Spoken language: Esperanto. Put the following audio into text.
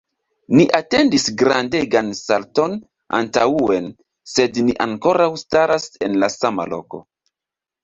Ni atendis grandegan salton antaŭen, sed ni ankoraŭ staras en la sama loko.